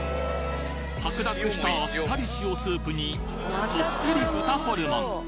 白濁したあっさり塩スープにこってり豚ホルモン。